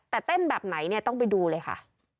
แต่เต้นแบบไหนเนี่ยต้องไปดูเลยค่ะ